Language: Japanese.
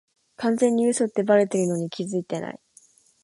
完全に嘘ってバレてるのに気づいてない